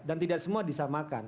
dan tidak semua disamakan